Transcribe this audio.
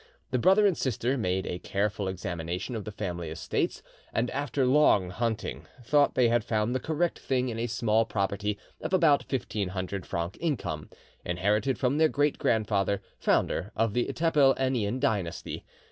The brother and sister made a careful examination of the family estates, and after long hunting, thought they had found the correct thing in a small property of about fifteen hundred francs income, inherited from their great grandfather, founder of the Tepel Enian dynasty.